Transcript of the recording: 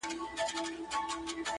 هغه به چيري اوسي باران اوري، ژلۍ اوري.